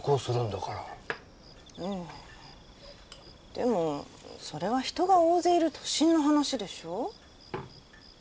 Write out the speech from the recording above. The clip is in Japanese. でもそれは人が大勢いる都心の話でしょう？